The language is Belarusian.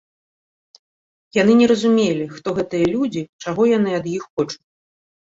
Яны не разумелі, хто гэтыя людзі, чаго яны ад іх хочуць.